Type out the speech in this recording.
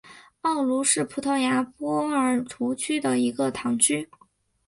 奥卢是葡萄牙波尔图区的一个堂区。